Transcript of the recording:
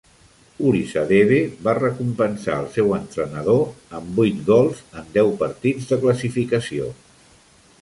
Olisadebe va recompensar el seu entrenador amb vuit gols en deu partits de classificació.